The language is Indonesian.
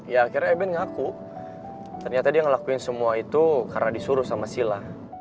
ya akhirnya ebin ngaku ternyata dia ngelakuin semua itu karena disuruh sama sila